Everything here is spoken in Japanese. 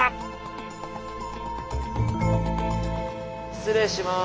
失礼します。